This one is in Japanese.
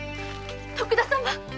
徳田様！